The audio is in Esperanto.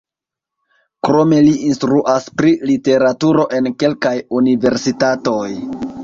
Krome li instruas pri literaturo en kelkaj universitatoj.